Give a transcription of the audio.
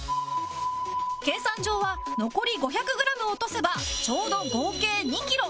計算上は残り５００グラム落とせばちょうど合計２キロ